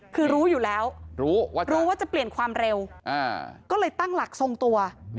คือรู้อยู่แล้วรู้ว่าจะเปลี่ยนความเร็วก็เลยตั้งหลักทรงตัว